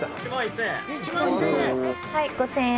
はい５０００円。